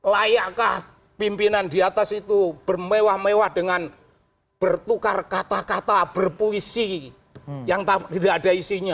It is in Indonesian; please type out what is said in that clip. layakkah pimpinan di atas itu bermewah mewah dengan bertukar kata kata berpuisi yang tidak ada isinya